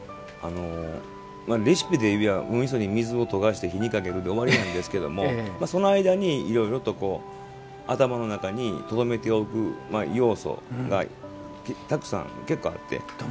レシピで言えばおみずにおみそを溶かして火にかけるで終わりなんですけどその間に頭の中にとどめておく要素がたくさんあって。